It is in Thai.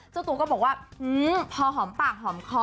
เจ้าตัวก็บอกว่าพอหอมปากหอมคอ